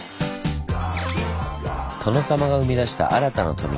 殿様が生み出した新たな富。